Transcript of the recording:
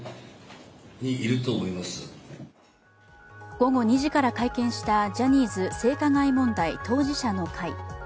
午後２時から会見したジャニーズ性加害問題当事者の会。